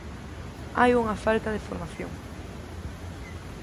Hai unha falta de formación.